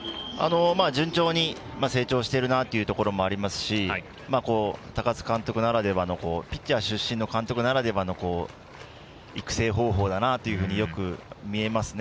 順調に成長しているなというところもありますし高津監督ならではのピッチャー出身の監督ならではの育成方法だなというふうによく見えますね。